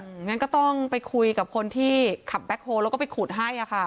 งั้นก็ต้องไปคุยกับคนที่ขับแบ็คโฮลแล้วก็ไปขุดให้อ่ะค่ะ